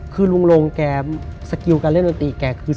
คือลงแกสกิลการเริ่มจนตรีแกคือ